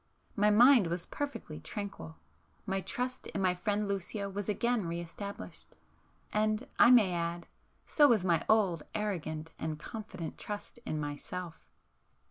My mind was perfectly tranquil,—my trust in my friend Lucio was again re established,—and I may add, so was my old arrogant and confident trust in myself.